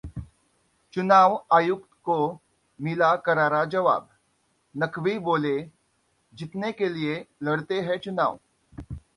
चुनाव आयुक्त को मिला करारा जवाब, नकवी बोले- जीतने के लिए लड़ते हैं चुनाव